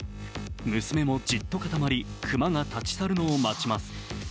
娘もじっと固まり、熊が立ち去るのを待ちます。